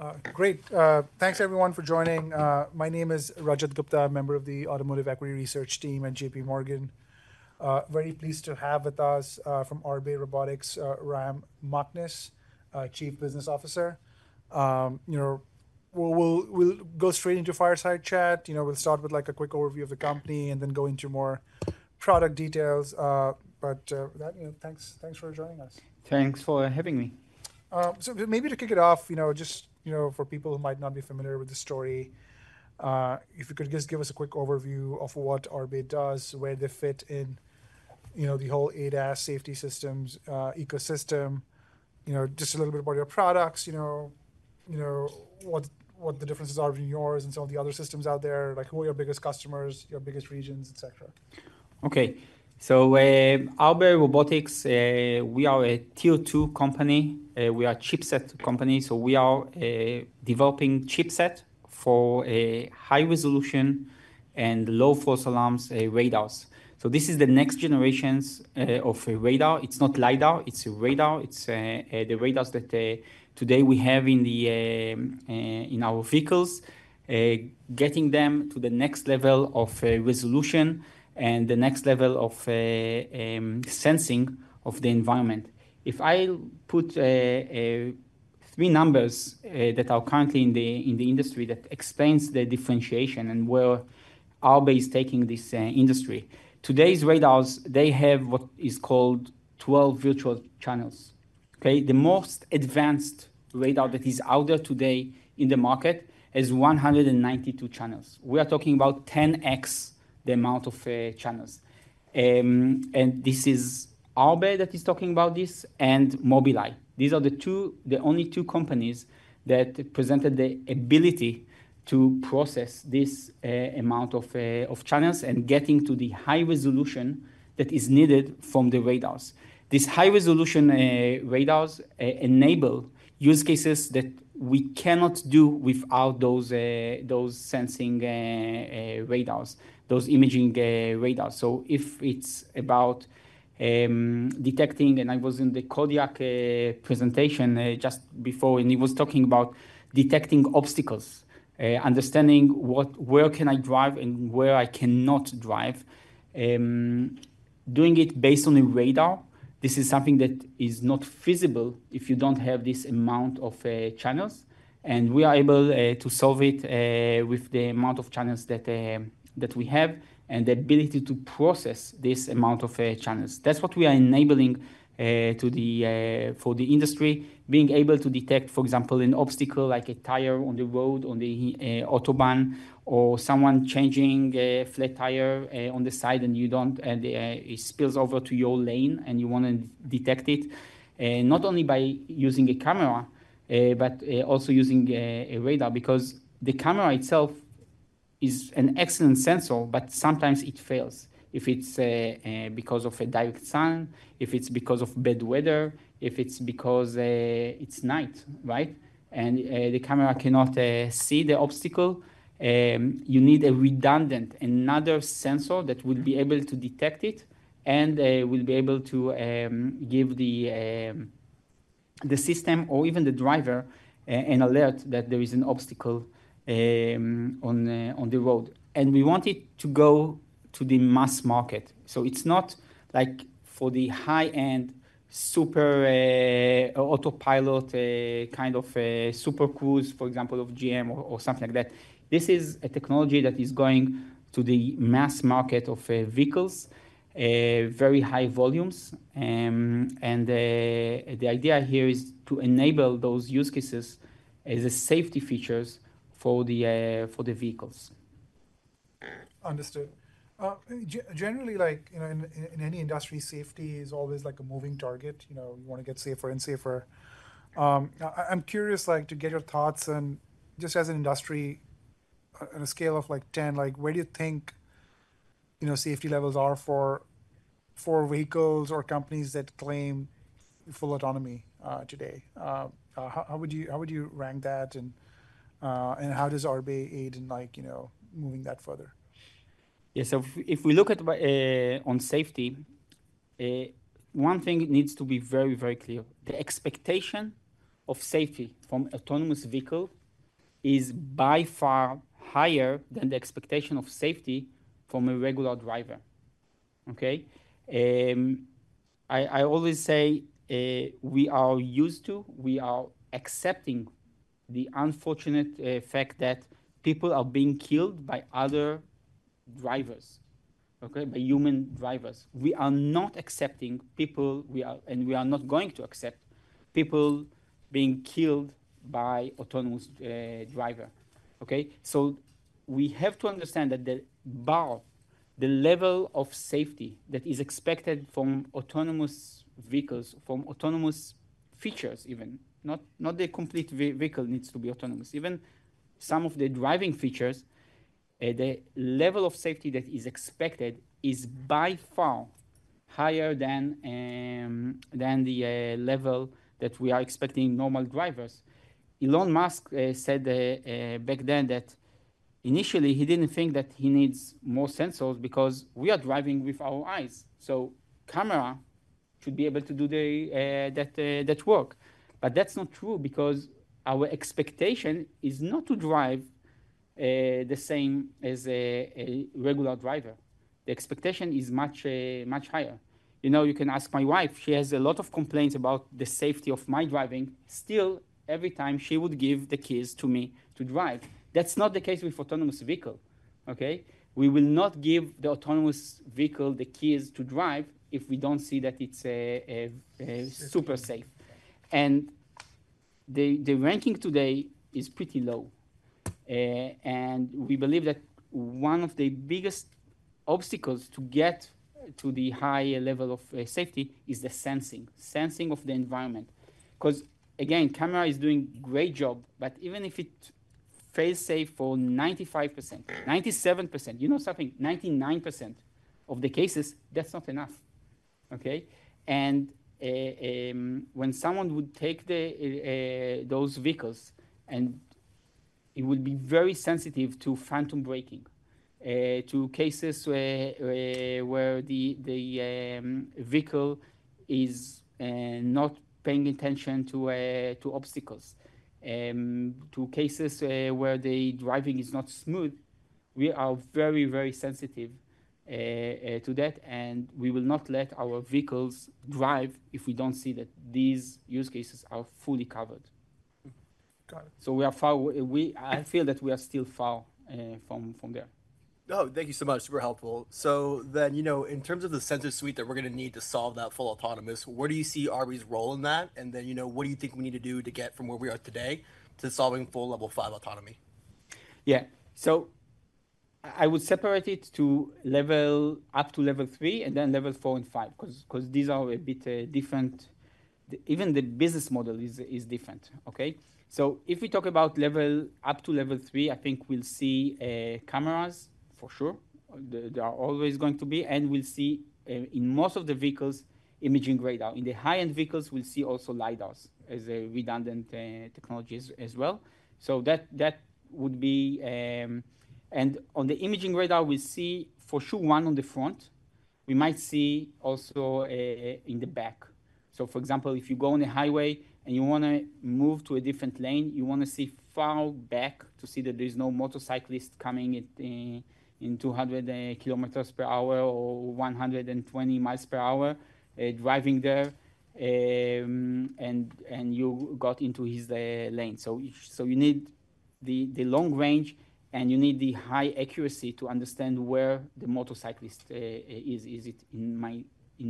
All right, great. Thanks everyone for joining. My name is Rajat Gupta, member of the Automotive Equity Research team at J.P. Morgan. Very pleased to have with us, from Arbe Robotics, Ram Machness, Chief Business Officer. You know, we'll go straight into fireside chat. You know, we'll start with like a quick overview of the company and then go into more product details. But, you know, thanks for joining us. Thanks for having me. So maybe to kick it off, you know, just, you know, for people who might not be familiar with the story, if you could just give us a quick overview of what Arbe does, where they fit in, you know, the whole ADAS safety systems, ecosystem. You know, just a little bit about your products. You know, what the differences are between yours and some of the other systems out there. Like, who are your biggest customers, your biggest regions, etc.? Okay. So, Arbe Robotics, we are a Tier 2 company. We are a chipset company, so we are developing chipset for a high resolution and low false alarms, radars. So this is the next generations of a radar. It's not LiDAR, it's a radar. It's the radars that today we have in our vehicles. Getting them to the next level of resolution and the next level of sensing of the environment. If I put three numbers that are currently in the industry, that explains the differentiation and where Arbe is taking this industry. Today's radars, they have what is called 12 virtual channels, okay? The most advanced radar that is out there today in the market has 192 channels. We are talking about 10x the amount of channels. And this is Arbe that is talking about this and Mobileye. These are the two, the only two companies that presented the ability to process this amount of of channels, and getting to the high resolution that is needed from the radars. These high-resolution radars enable use cases that we cannot do without those those sensing radars, those imaging radars. So if it's about detecting, and I was in the Kodiak presentation just before, and he was talking about detecting obstacles, understanding what where can I drive and where I cannot drive. Doing it based on the radar, this is something that is not feasible if you don't have this amount of channels. We are able to solve it with the amount of channels that that we have and the ability to process this amount of channels. That's what we are enabling to the for the industry. Being able to detect, for example, an obstacle like a tire on the road, on the Autobahn, or someone changing a flat tire on the side, it spills over to your lane, and you want to detect it. Not only by using a camera, but also using a radar. Because the camera itself is an excellent sensor, but sometimes it fails. If it's because of a direct sun, if it's because of bad weather, if it's because it's night, right, and the camera cannot see the obstacle, you need a redundant another sensor that will be able to detect it and will be able to give the system or even the driver an alert that there is an obstacle on the road. And we want it to go to the mass market. So it's not like for the high-end, super autopilot kind of a Super Cruise, for example, of GM or something like that. This is a technology that is going to the mass market of vehicles very high volumes. And the idea here is to enable those use cases as a safety features for the vehicles. Understood. Generally, like, you know, in any industry, safety is always like a moving target. You know, you wanna get safer and safer. I, I'm curious, like to get your thoughts and just as an industry, on a scale of like 10, like, where do you think, you know, safety levels are for vehicles or companies that claim full autonomy, today? How would you rank that, and how does Arbe aid in like, you know, moving that further? Yeah. So if we look at on safety, one thing needs to be very, very clear. The expectation of safety from autonomous vehicle is by far higher than the expectation of safety from a regular driver, okay? I always say we are used to, we are accepting the unfortunate fact that people are being killed by other drivers, okay? By human drivers. We are not accepting people, and we are not going to accept people being killed by autonomous driver, okay? So we have to understand that the bar, the level of safety that is expected from autonomous vehicles, from autonomous features even, not the complete vehicle needs to be autonomous. Even some of the driving features, the level of safety that is expected is by far higher than the level that we are expecting in normal drivers. Elon Musk said back then that initially, he didn't think that he needs more sensors because we are driving with our eyes, so camera should be able to do that work. But that's not true because our expectation is not to drive the same as a regular driver. The expectation is much much higher. You know, you can ask my wife, she has a lot of complaints about the safety of my driving. Still, every time she would give the keys to me to drive. That's not the case with Autonomous Vehicle, okay? We will not give the autonomous vehicle the keys to drive if we don't see that it's super safe. And the ranking today is pretty low. And we believe that one of the biggest obstacles to get to the high level of safety is the sensing of the environment. 'Cause again, camera is doing great job, but even if it fails safe for 95%, 97%, you know something, 99% of the cases, that's not enough, okay? When someone would take the those vehicles and it will be very sensitive to phantom braking, to cases where where the the vehicle is not paying attention to to obstacles, to cases where the driving is not smooth, we are very, very sensitive to that, and we will not let our vehicles drive if we don't see that these use cases are fully covered. Got it. We are far away. I feel that we are still far from there. Oh, thank you so much. Super helpful. So then, you know, in terms of the sensor suite that we're gonna need to solve that full autonomy, where do you see Arbe's role in that? And then, you know, what do you think we need to do to get from where we are today to solving full Level 5 autonomy? Yeah. So I would separate it to level up to Level 3, and then Level 4 and 5 'cause these are a bit different. Even the business model is different, okay? So if we talk about level up to Level 3, I think we'll see cameras for sure. There are always going to be, and we'll see in most of the vehicles, imaging radar. In the high-end vehicles, we'll see also LiDARs as a redundant technologies as well. So that would be... And on the imaging radar, we see for sure one on the front, we might see also in the back. So for example, if you go on a highway and you wanna move to a different lane, you wanna see far back to see that there's no motorcyclist coming at in two hundred kilometers per hour or one hundred and twenty miles per hour driving there, and you got into his lane. So you need the long range, and you need the high accuracy to understand where the motorcyclist is. Is it in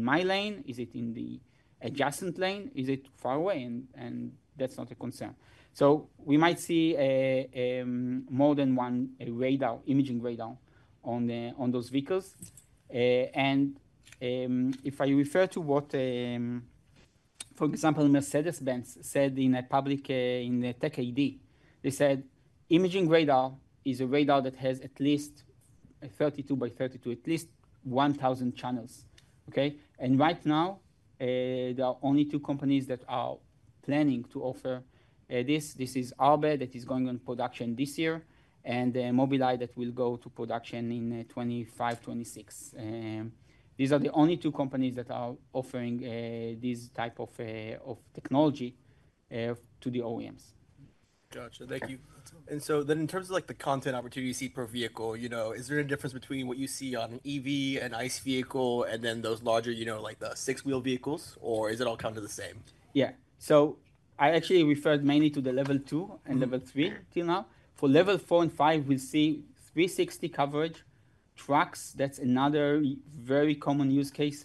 my lane? Is it in the adjacent lane? Is it far away and that's not a concern. So we might see more than one radar, imaging radar on those vehicles. If I refer to what, for example, Mercedes-Benz said in a public Tech AD, they said, "Imaging radar is a radar that has at least a 32 by 32, at least 1,000 channels." Okay? And right now, there are only two companies that are planning to offer this. This is Arbe that is going on production this year, and Mobileye that will go to production in 2025, 2026. These are the only two companies that are offering this type of technology to the OEMs. Gotcha. Thank you. Okay. In terms of like the content opportunity you see per vehicle, you know, is there any difference between what you see on an EV, an ICE vehicle, and then those larger, you know, like the six-wheel vehicles, or is it all kind of the same? Yeah. So I actually referred mainly to the Level 2- Mm-hmm... and Level 3 till now. For Level 4 and 5, we'll see 360 coverage trucks. That's another very common use case,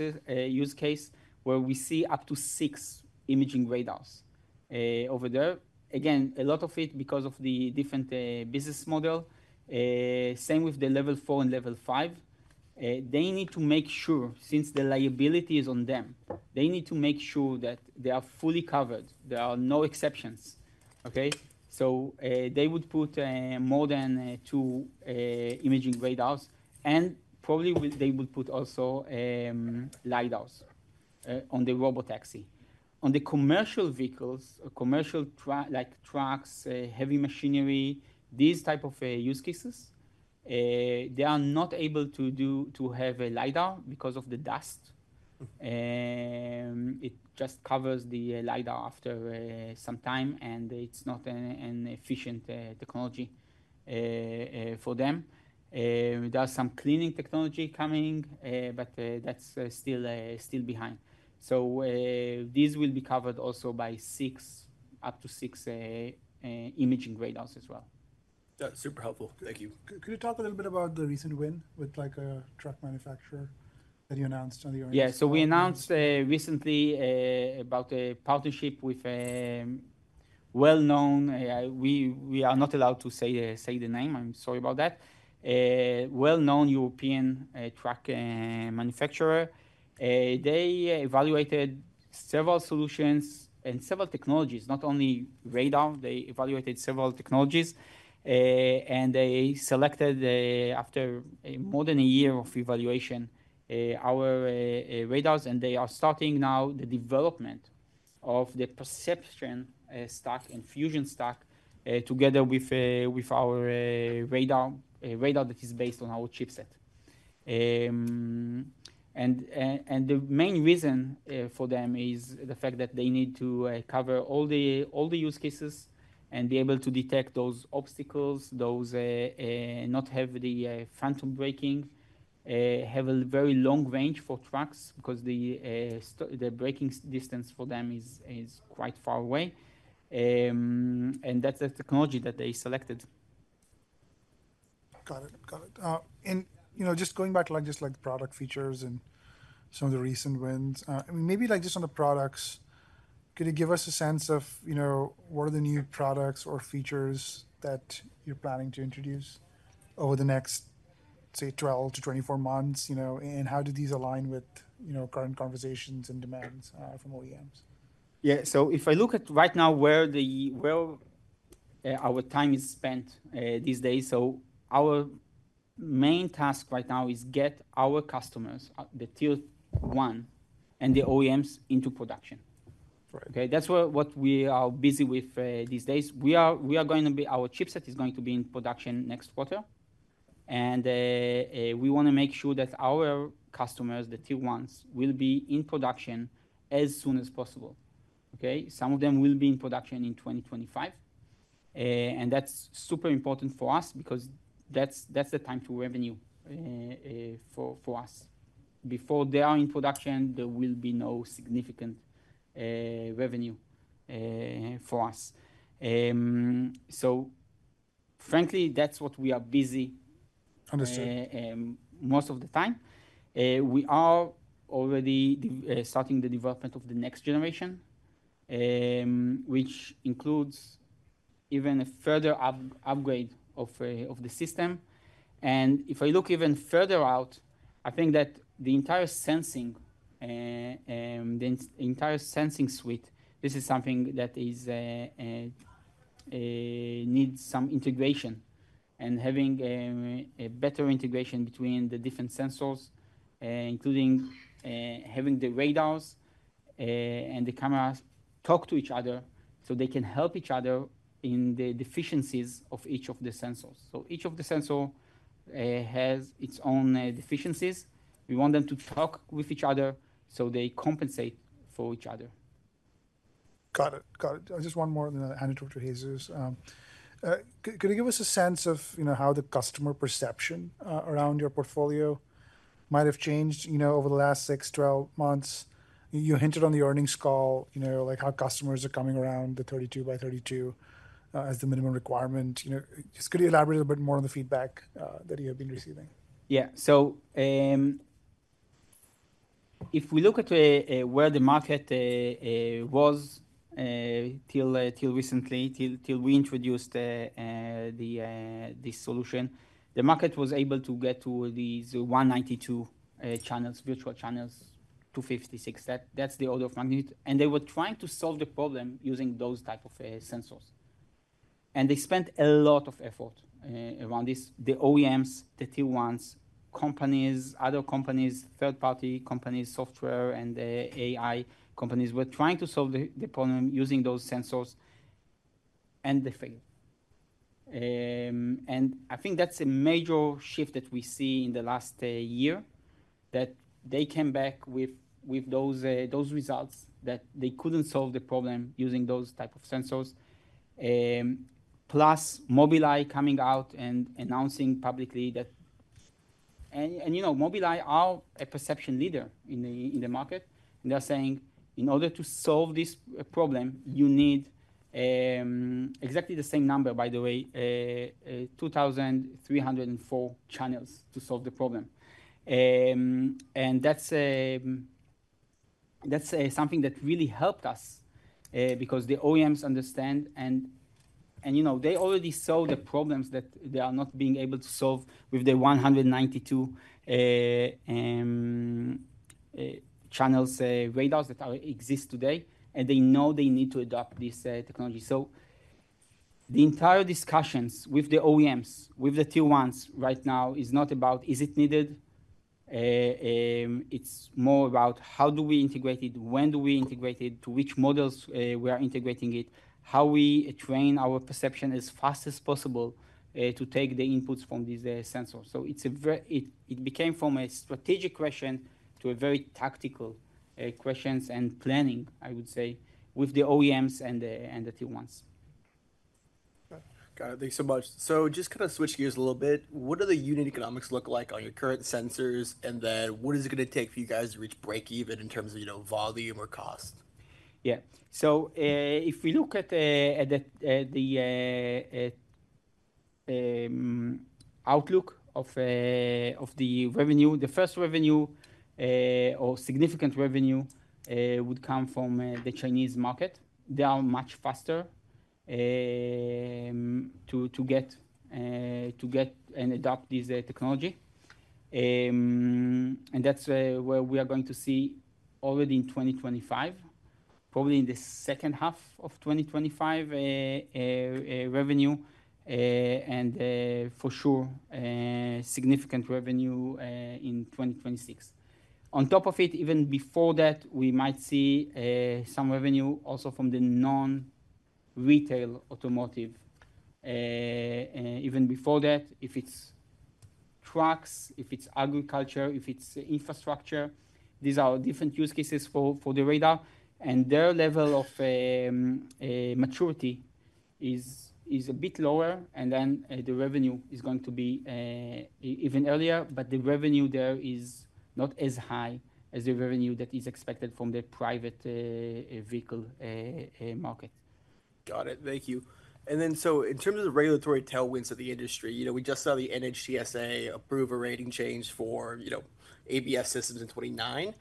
where we see up to six imaging radars over there. Again, a lot of it because of the different business model. Same with the Level 4 and 5. They need to make sure, since the liability is on them, they need to make sure that they are fully covered. There are no exceptions, okay? So, they would put more than two imaging radars, and probably they would put also LiDARs on the Robotaxi. On the commercial vehicles, commercial truck, like trucks, heavy machinery, these type of use cases, they are not able to have a LiDAR because of the dust. Mm. It just covers the LiDAR after some time, and it's not an efficient technology for them. There are some cleaning technology coming, but that's still behind. So, these will be covered also by six, up to six, imaging radars as well. That's super helpful. Thank you. Could you talk a little bit about the recent win with like a truck manufacturer that you announced on the earnings? Yeah. So we announced recently about a partnership with a well-known... We are not allowed to say the name. I'm sorry about that. A well-known European truck manufacturer, they evaluated several solutions and several technologies, not only radar. They evaluated several technologies, and they selected, after a more than a year of evaluation, our radars, and they are starting now the development of the perception stack and fusion stack, together with our radar, a radar that is based on our chipset. The main reason for them is the fact that they need to cover all the use cases and be able to detect those obstacles, not have the phantom braking, have a very long range for trucks because the braking distance for them is quite far away. And that's the technology that they selected. Got it, got it. And, you know, just going back to like, just like the product features and some of the recent wins, I mean, maybe like just on the products, could you give us a sense of, you know, what are the new products or features that you're planning to introduce over the next, say, 12-24 months? You know, and how do these align with, you know, current conversations and demands from OEMs? Yeah. So if I look at right now where our time is spent these days, so our main task right now is get our customers, the Tier 1 and the OEMs into production. Right. Okay? That's where what we are busy with these days. Our chipset is going to be in production next quarter, and we want to make sure that our customers, the Tier 1s, will be in production as soon as possible. Okay? Some of them will be in production in 2025. And that's super important for us because that's the time to revenue for us. Before they are in production, there will be no significant revenue for us. So frankly, that's what we are busy- Understood... most of the time. We are already starting the development of the next generation, which includes even a further upgrade of the system. And if I look even further out, I think that the entire sensing suite, this is something that needs some integration. And having a better integration between the different sensors, including having the radars and the cameras talk to each other so they can help each other in the deficiencies of each of the sensors. So each of the sensor has its own deficiencies. We want them to talk with each other, so they compensate for each other. Got it, got it. Just one more then I'll hand it over to Jesus. Could you give us a sense of, you know, how the customer perception around your portfolio might have changed, you know, over the last 6-12 months? You hinted on the earnings call, you know, like how customers are coming around the 32 by 32 as the minimum requirement. You know, just could you elaborate a bit more on the feedback that you have been receiving? Yeah. So, if we look at where the market was till recently, till we introduced this solution, the market was able to get to these 192 channels, virtual channels, 256. That's the order of magnitude. And they were trying to solve the problem using those type of sensors. And they spent a lot of effort around this. The OEMs, the tier ones, companies, other companies, third-party companies, software, and AI companies were trying to solve the problem using those sensors, and they failed. And I think that's a major shift that we see in the last year, that they came back with those results, that they couldn't solve the problem using those type of sensors. Plus Mobileye coming out and announcing publicly that... You know, Mobileye are a perception leader in the market, and they're saying, "In order to solve this problem, you need," exactly the same number, by the way, "2,304 channels to solve the problem." And that's something that really helped us, because the OEMs understand and, you know, they already saw the problems that they are not being able to solve with the 192 channels radars that exist today, and they know they need to adopt this technology. So the entire discussions with the OEMs, with the Tier 1s right now is not about, is it needed? It's more about how do we integrate it? When do we integrate it? To which models we are integrating it? How we train our perception as fast as possible to take the inputs from these sensors. So it's a very it became from a strategic question to a very tactical questions and planning, I would say, with the OEMs and the Tier 1s. Okay. Got it. Thank you so much. So just kind of switch gears a little bit. What do the unit economics look like on your current sensors? And then, what is it going to take for you guys to reach breakeven in terms of, you know, volume or cost? Yeah. So, if we look at the outlook of the revenue, the first revenue or significant revenue would come from the Chinese market. They are much faster to get and adopt this technology. And that's where we are going to see already in 2025, probably in the second half of 2025, a revenue, and for sure significant revenue in 2026. On top of it, even before that, we might see some revenue also from the non-retail automotive. Even before that, if it's trucks, if it's agriculture, if it's infrastructure, these are different use cases for the radar, and their level of maturity is a bit lower, and then the revenue is going to be even earlier. But the revenue there is not as high as the revenue that is expected from the private vehicle market. Got it. Thank you. And then, so in terms of the regulatory tailwinds of the industry, you know, we just saw the NHTSA approve a rating change for, you know, ABS systems in 2029.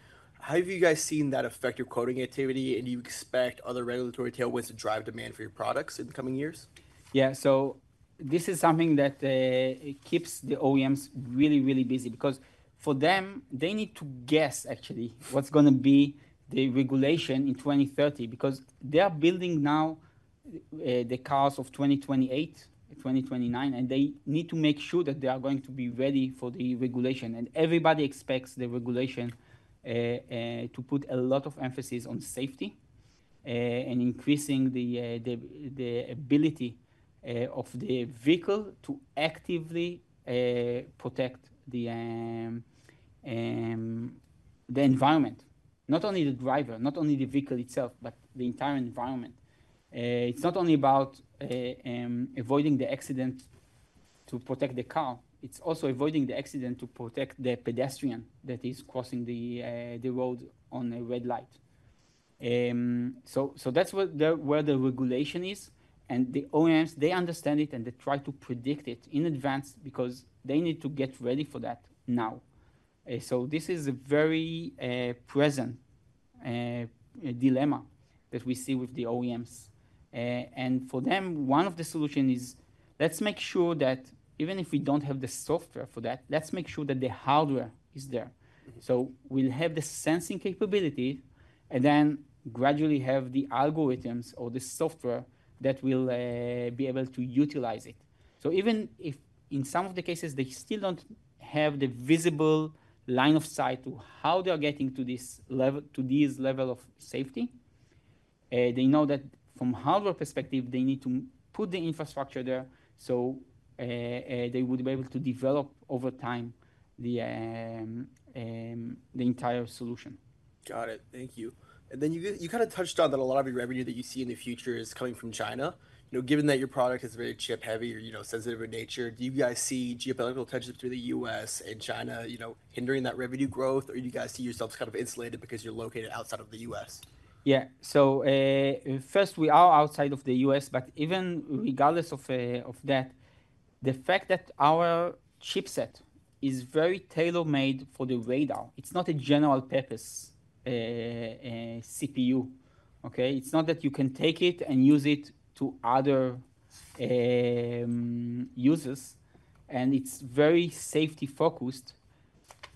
How have you guys seen that affect your quoting activity? And do you expect other regulatory tailwinds to drive demand for your products in the coming years? Yeah. So this is something that it keeps the OEMs really, really busy, because for them, they need to guess actually, what's gonna be the regulation in 2030. Because they are building now the cars of 2028, 2029, and they need to make sure that they are going to be ready for the regulation. And everybody expects the regulation to put a lot of emphasis on safety and increasing the ability of the vehicle to actively protect the environment. Not only the driver, not only the vehicle itself, but the entire environment. It's not only about avoiding the accident to protect the car, it's also avoiding the accident to protect the pedestrian that is crossing the road on a red light. So that's where the regulation is, and the OEMs, they understand it, and they try to predict it in advance because they need to get ready for that now. So this is a very present dilemma that we see with the OEMs. And for them, one of the solution is: let's make sure that even if we don't have the software for that, let's make sure that the hardware is there. Mm-hmm. So we'll have the sensing capability and then gradually have the algorithms or the software that will be able to utilize it. So even if in some of the cases, they still don't have the visible line of sight to how they are getting to this level of safety, they know that from hardware perspective, they need to put the infrastructure there, so they would be able to develop over time the entire solution. Got it. Thank you. And then you kind of touched on that a lot of your revenue that you see in the future is coming from China. You know, given that your product is very chip-heavy or, you know, sensitive in nature, do you guys see geopolitical tensions through the U.S. and China, you know, hindering that revenue growth? Or do you guys see yourselves kind of insulated because you're located outside of the U.S.? Yeah. So, first, we are outside of the U.S., but even regardless of that, the fact that our chipset is very tailor-made for the radar, it's not a general-purpose CPU, okay? It's not that you can take it and use it to other uses, and it's very safety-focused.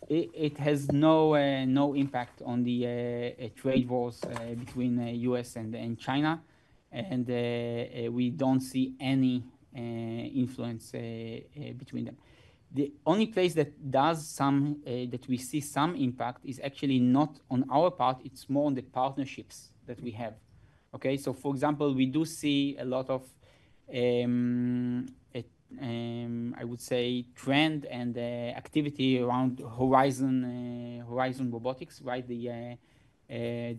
It has no impact on the trade wars between the U.S. and China, and we don't see any influence between them. The only place that does some that we see some impact is actually not on our part, it's more on the partnerships that we have, okay? So, for example, we do see a lot of, I would say, trend and activity around Horizon Horizon Robotics, right? They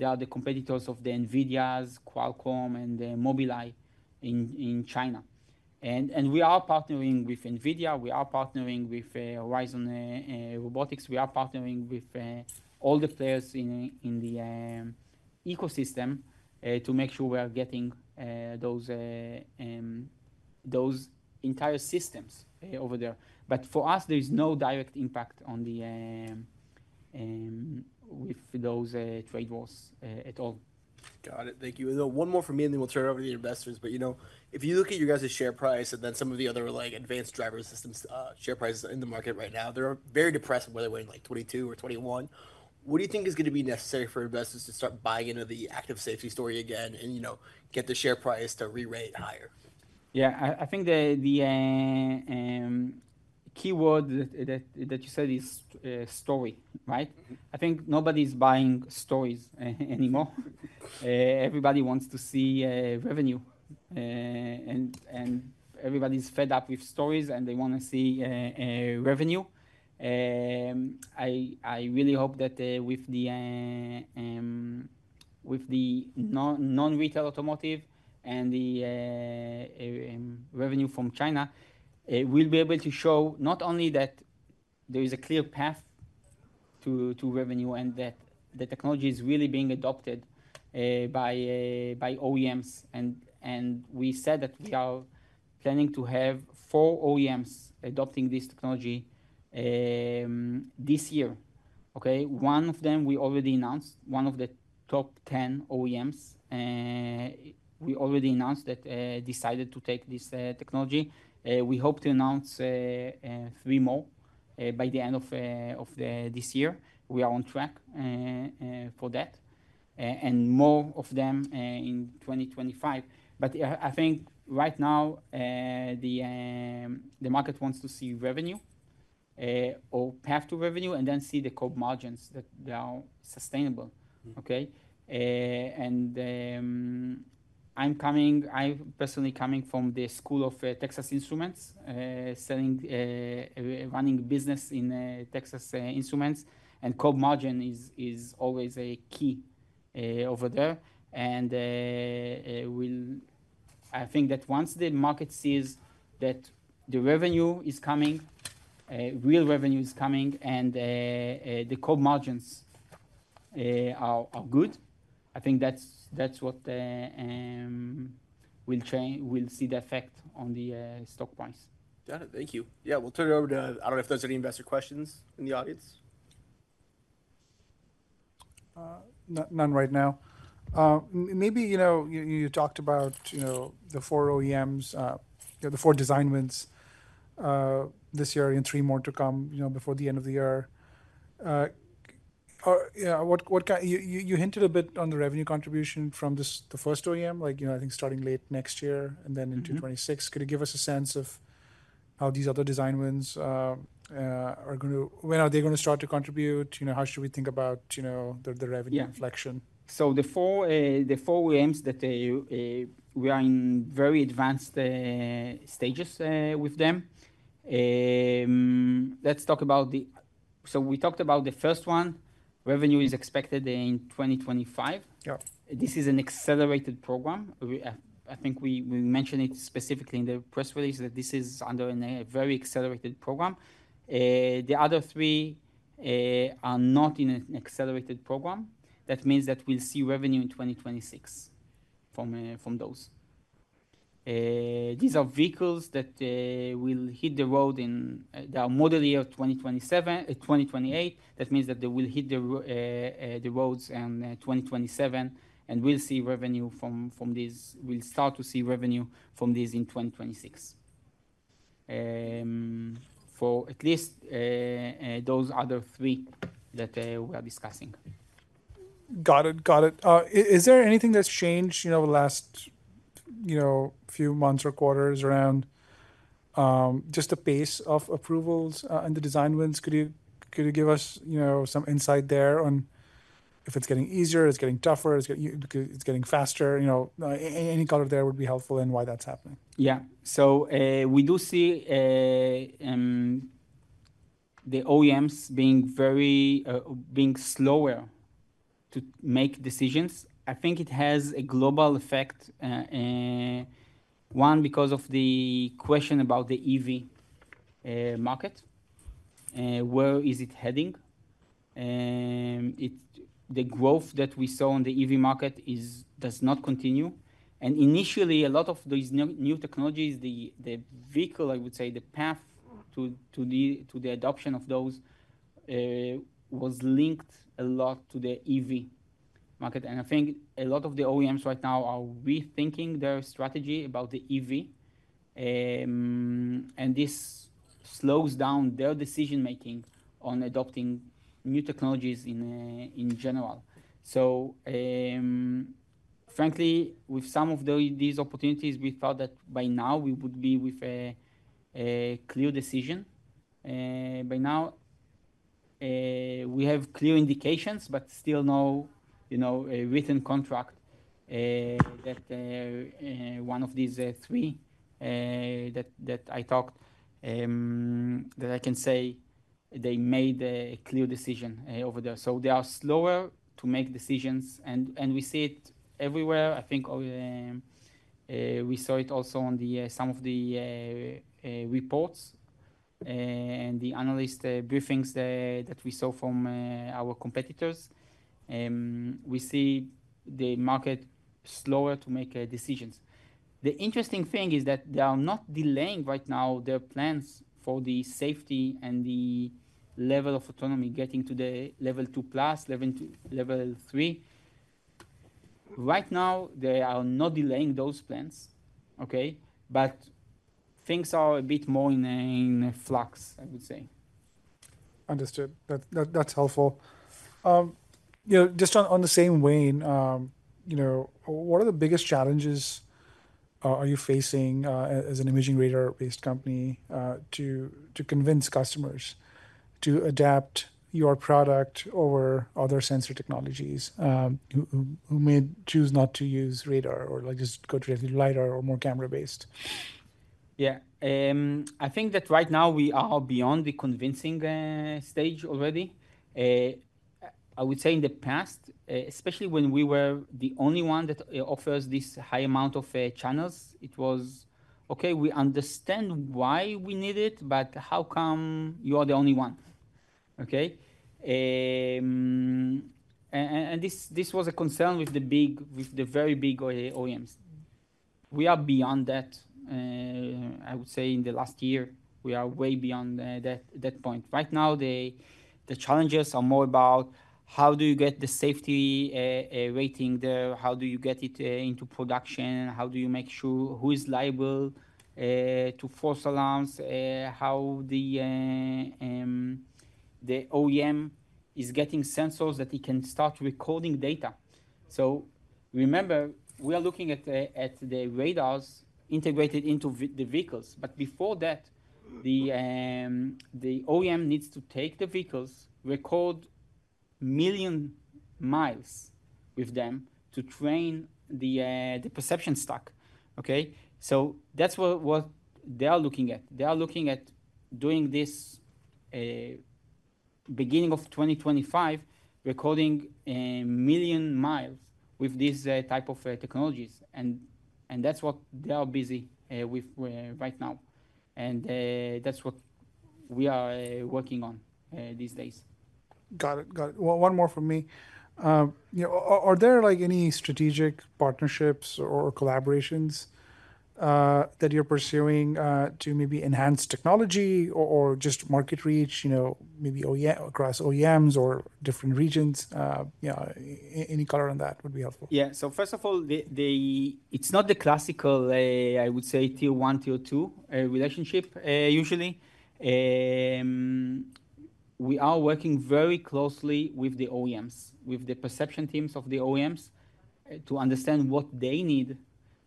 are the competitors of NVIDIA, Qualcomm, and Mobileye in China. And we are partnering with NVIDIA, we are partnering with Horizon Robotics, we are partnering with all the players in the ecosystem to make sure we are getting those entire systems over there. But for us, there is no direct impact with those trade wars at all. Got it. Thank you. And, one more from me, and then we'll turn it over to the investors. But, you know, if you look at your guys' share price and then some of the other, like, advanced driver assistance, share prices in the market right now, they are very depressed, whether we're in, like, 2022 or 2021. What do you think is going to be necessary for investors to start buying into the active safety story again and, you know, get the share price to re-rate higher? Yeah, I think the key word that you said is story, right? I think nobody's buying stories anymore. Everybody wants to see revenue, and everybody's fed up with stories, and they wanna see revenue. I really hope that with the non-retail automotive and the revenue from China, we'll be able to show not only that there is a clear path to revenue and that the technology is really being adopted by OEMs. We said that we are planning to have four OEMs adopting this technology this year, okay? One of them, we already announced, one of the top 10 OEMs, we already announced that decided to take this technology. We hope to announce three more by the end of this year. We are on track for that, and more of them in 2025. But I think right now the market wants to see revenue or path to revenue, and then see the core margins that they are sustainable. Mm. Okay? And, I'm personally coming from the school of Texas Instruments, selling, running business in Texas Instruments. And core margin is always a key over there. And, we'll, I think that once the market sees that the revenue is coming, real revenue is coming, and the core margins are good, I think that's what will change, we'll see the effect on the stock price. Got it. Thank you. Yeah, we'll turn it over to, I don't know if there's any investor questions in the audience. None right now. Maybe, you know, you talked about, you know, the four OEMs, the four design wins, this year and three more to come, you know, before the end of the year. You hinted a bit on the revenue contribution from this, the first OEM, like, you know, I think starting late next year- Mm-hmm. and then in 2026. Could you give us a sense of how these other design wins are gonna, when are they gonna start to contribute? You know, how should we think about, you know, the revenue- Yeah... inflection? So the four OEMs that we are in very advanced stages with them. Let's talk about the. So we talked about the first one, revenue is expected in 2025. Yeah. This is an accelerated program. We, I think we, we mentioned it specifically in the press release, that this is under a, a very accelerated program. The other three are not in a accelerated program. That means that we'll see revenue in 2026 from, from those. These are vehicles that will hit the road in, they are model year 2027, 2028. That means that they will hit the roads in 2027, and we'll see revenue from, from these, we'll start to see revenue from these in 2026. For at least those other three that we are discussing. Got it. Got it. Is there anything that's changed, you know, the last, you know, few months or quarters around just the pace of approvals and the design wins? Could you give us, you know, some insight there on if it's getting easier, it's getting tougher, it's getting faster? You know, any color there would be helpful and why that's happening. Yeah. So, we do see the OEMs being very slower to make decisions. I think it has a global effect, because of the question about the EV market, where is it heading? The growth that we saw on the EV market is does not continue. And initially, a lot of these new technologies, the vehicle, I would say, the path to the adoption of those was linked a lot to the EV market. And I think a lot of the OEMs right now are rethinking their strategy about the EV, and this slows down their decision-making on adopting new technologies in general. So, frankly, with some of these opportunities, we thought that by now we would be with a clear decision. By now, we have clear indications, but still no, you know, a written contract that one of these three that I talked that I can say they made a clear decision over there. So they are slower to make decisions, and we see it everywhere. I think we saw it also in some of the reports and the analyst briefings that we saw from our competitors. We see the market slower to make decisions. The interesting thing is that they are not delaying right now their plans for the safety and the level of autonomy, getting to the Level 2+, Level 2 - Level 3. Right now, they are not delaying those plans. Okay? But things are a bit more in flux, I would say. Understood. That's helpful. You know, just on the same vein, you know, what are the biggest challenges you are facing as an imaging radar-based company to convince customers to adopt your product or other sensor technologies who may choose not to use radar or like, just go to LiDAR or more camera-based? Yeah. I think that right now we are beyond the convincing stage already. I would say in the past, especially when we were the only one that offers this high amount of channels, it was: "Okay, we understand why we need it, but how come you are the only one?" Okay, and this was a concern with the big, with the very big OEMs. We are beyond that. I would say in the last year, we are way beyond that point. Right now, the challenges are more about how do you get the safety rating there? How do you get it into production? How do you make sure who is liable to false alarms? How the OEM is getting sensors that he can start recording data. So remember, we are looking at the radars integrated into the vehicles. But before that, the OEM needs to take the vehicles, record million miles with them to train the perception stack. Okay? So that's what they are looking at. They are looking at doing this beginning of 2025, recording a million miles with these type of technologies. And that's what they are busy with right now. And that's what we are working on these days. Got it. Got it. One more from me. You know, are there like any strategic partnerships or collaborations that you're pursuing to maybe enhance technology or just market reach, you know, maybe OEM across OEMs or different regions? Yeah, any color on that would be helpful. Yeah. So first of all, it's not the classical, I would say Tier one, Tier two relationship, usually. We are working very closely with the OEMs, with the perception teams of the OEMs, to understand what they need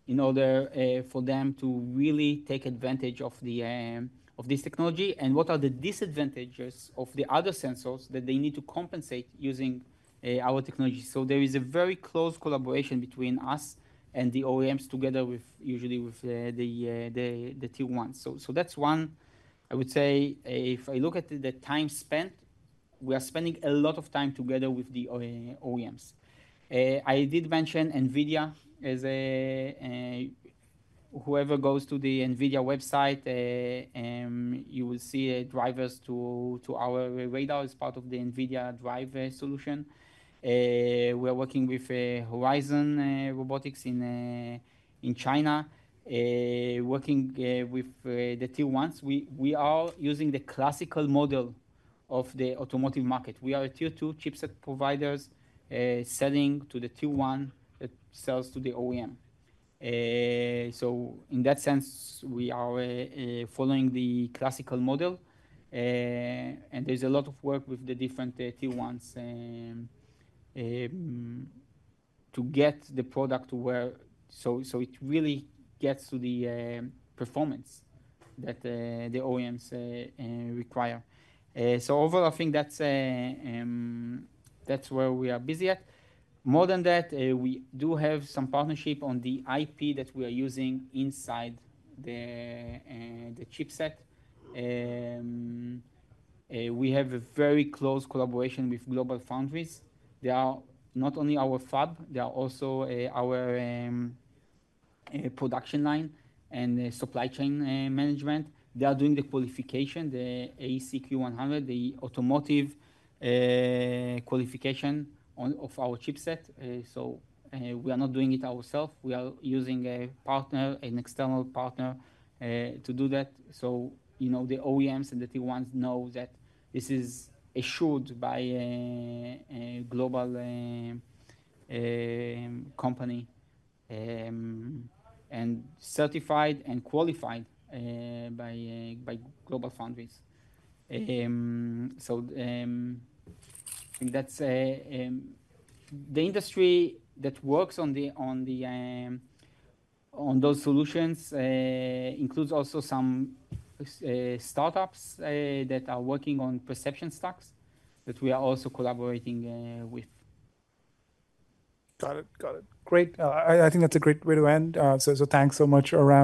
in order, for them to really take advantage of the, of this technology, and what are the disadvantages of the other sensors that they need to compensate using our technology. So there is a very close collaboration between us and the OEMs, together with usually with the Tier one's. So that's one. I would say, if I look at the time spent, we are spending a lot of time together with the OEMs. I did mention NVIDIA as a... Whoever goes to the NVIDIA website, you will see drivers to our radar as part of the NVIDIA DRIVE solution. We are working with Horizon Robotics in China, working with the Tier one's. We are using the classical model of the automotive market. We are a Tier two chipset providers, selling to the Tier one that sells to the OEM. So in that sense, we are following the classical model, and there's a lot of work with the different Tier one's to get the product so it really gets to the performance that the OEMs require. So overall, I think that's where we are busy at. More than that, we do have some partnership on the IP that we are using inside the, the chipset. We have a very close collaboration with GlobalFoundries. They are not only our fab, they are also our production line and supply chain management. They are doing the qualification, the AEC-Q100, the automotive qualification on of our chipset. So, we are not doing it ourself, we are using a partner, an external partner to do that. So, you know, the OEMs and the Tier one's know that this is assured by a, a global company, and certified and qualified by, by GlobalFoundries. So, I think that's... The industry that works on those solutions includes also some startups that are working on perception stacks that we are also collaborating with. Got it. Got it. Great. I think that's a great way to end. So, thanks so much, Ram-